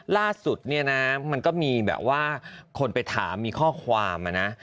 ล่าสุดเนี่ยนะมันก็มีแบบว่าคนไปถามมีข้อความอะนะ